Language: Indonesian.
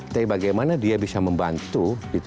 tapi bagaimana dia bisa membantu